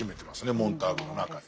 モンターグの中で。